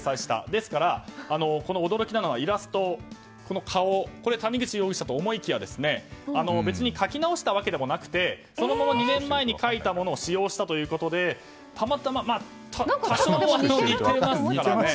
ですから驚きなのはイラスト、この顔谷口容疑者と思いきや別に描き直したわけでもなくてそのまま２年前に描いたものを使用したということでたまたま、多少似てますから。